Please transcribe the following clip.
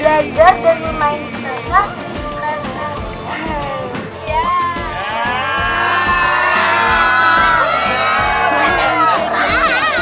aku senang belajar dan bermain kerja di kulantai